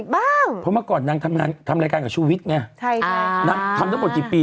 บนฟ้องแบบคุณชูวิทย์แน่